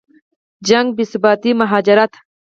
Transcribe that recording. جګړې، بېثباتي، مهاجرت